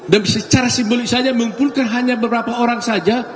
dan secara simbolik saja mengumpulkan hanya beberapa orang saja